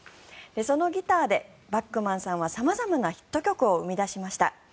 そのギターでバックマンさんは様々なヒット曲を生み出しました。